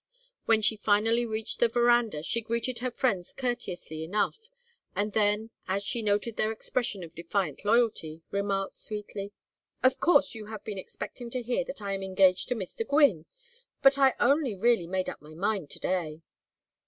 When she finally reached the veranda she greeted her friends courteously enough, and then, as she noted their expression of defiant loyalty, remarked, sweetly: "Of course you have been expecting to hear that I am engaged to Mr. Gwynne, but I only really made up my mind to day."